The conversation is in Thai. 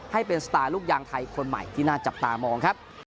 ให้เป็นสตาร์ลูกยางไทยคนใหม่ที่น่าจับตามองครับ